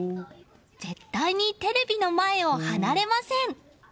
絶対にテレビの前を離れません！